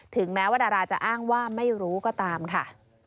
แม้ว่าดาราจะอ้างว่าไม่รู้ก็ตามค่ะ